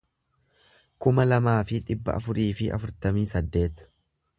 kuma lamaa fi dhibba afurii fi afurtamii saddeet